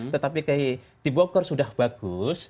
tetapi kayak dibohgor sudah bagus